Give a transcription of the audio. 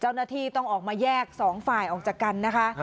เจ้าหน้าที่ต้องออกมาแยกสองฝ่ายออกจากกันนะคะ